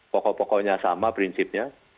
pokok pokoknya sama prinsipnya